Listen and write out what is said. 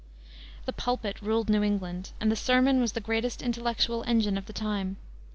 The pulpit ruled New England, and the sermon was the great intellectual engine of the time.